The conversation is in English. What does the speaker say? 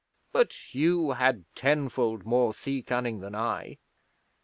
But Hugh had tenfold more sea cunning than I.